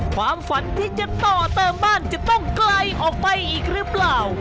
ความฝันที่จะต่อเติมบ้านจะต้องไกลออกไปอีกหรือเปล่า